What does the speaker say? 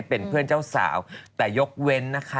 เป็นเพื่อนเจ้าสาวแต่ยกเว้นนะคะ